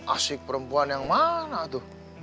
asik perempuan yang mana tuh